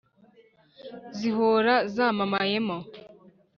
Zihora zamamayemo